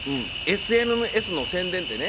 ＳＮＳの宣伝ってね